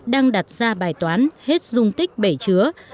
đang đặt ra bài toán hết dung tích bể chứa